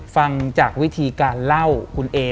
ฟังจากวิธีการเล่าคุณเอ